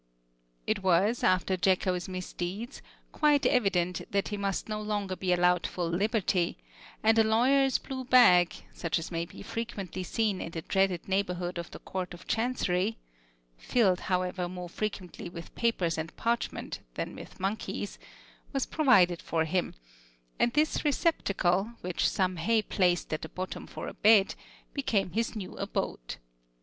It was, after Jacko's misdeeds, quite evident that he must no longer be allowed full liberty; and a lawyer's blue bag, such as may be frequently seen in the dreaded neighborhood of the Court of Chancery, filled, however, more frequently with papers and parchment than with monkeys, was provided for him; and this receptacle, with some hay placed at the bottom for a bed, became his new abode.